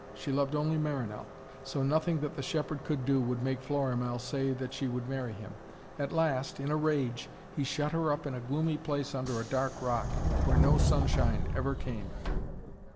She loved only Marinell. So nothing that the shepherd could do would make Florimell say that she would marry him. At last, in a rage, he shut her up in a gloomy place under a dark rock, where no sunshine ever came.